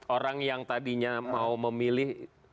orang yang tadinya mau memilih